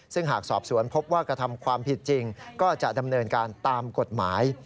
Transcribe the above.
ซึ่งหากสอบสวนพบว่ากระทำความผิดจริงก็จะดำเนินการตามกฎหมาย